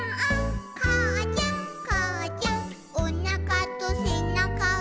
「かあちゃんかあちゃん」「おなかとせなかが」